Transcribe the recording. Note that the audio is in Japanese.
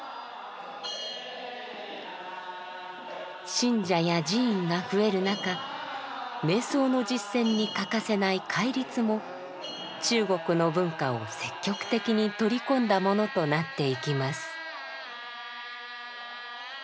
信者や寺院が増える中瞑想の実践に欠かせない「戒律」も中国の文化を積極的に取り込んだものとなっていきます。